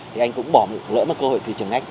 thì anh cũng bỏ một lỡ một cơ hội thị trường ngách